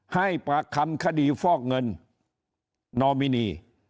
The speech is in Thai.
ให้ปากคำคดีฟอกเงินนอมินี